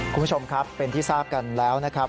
คุณผู้ชมครับเป็นที่ทราบกันแล้วนะครับ